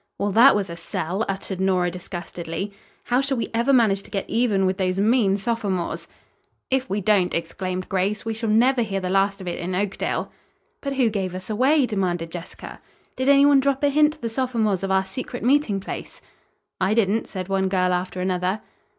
"Well, that was a sell!" uttered Nora disgustedly. "How shall we ever manage to get even with those mean sophomores!" "If we don't," exclaimed Grace, "we shall never hear the last of it in Oakdale." "But who gave us away?" demanded Jessica. "Did anyone drop a hint to the sophomores of our secret meeting place?" "I didn't," said one girl after another.